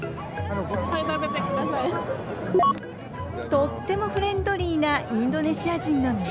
とってもフレンドリーなインドネシア人の皆さん！